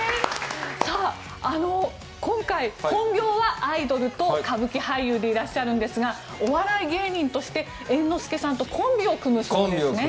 今回、本業はアイドルと歌舞伎俳優でいらっしゃるんですがお笑い芸人として猿之助さんとコンビを組むそうですね。